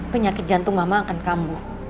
penyakit jantung mama akan kambuh